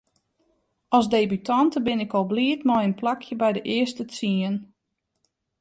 As debutante bin ik al bliid mei in plakje by de earste tsien.